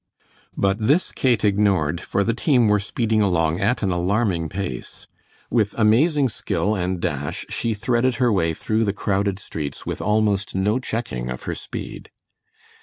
But this Kate ignored for the team were speeding along at an alarming pace. With amazing skill and dash she threaded her way through the crowded streets with almost no checking of her speed.